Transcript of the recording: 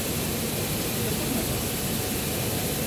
Και πού είναι τώρα;